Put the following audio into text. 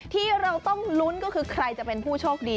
ที่เราต้องลุ้นก็คือใครจะเป็นผู้โชคดี